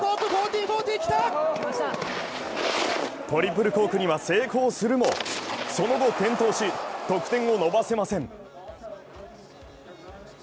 トリプルコークには成功するもその後、転倒し得点を伸ばせません。